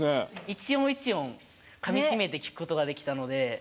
一音一音かみしめて聴くことができたので。